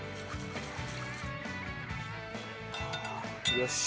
よし。